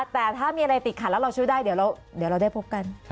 แต่ถ้ามีอะไรติดขัดแล้วเราช่วยได้เดี๋ยวเราได้พบกัน